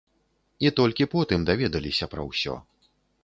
І толькі потым даведаліся пра ўсё.